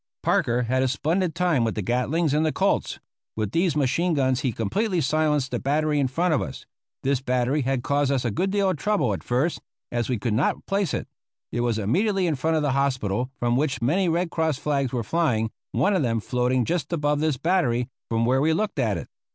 Parker had a splendid time with the Gatlings and the Colts. With these machine guns he completely silenced the battery in front of us. This battery had caused us a good deal of trouble at first, as we could not place it. It was immediately in front of the hospital, from which many Red Cross flags were flying, one of them floating just above this battery, from where we looked at it.